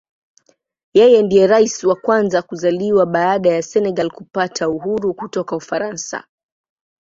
Yeye ndiye Rais wa kwanza kuzaliwa baada ya Senegal kupata uhuru kutoka Ufaransa.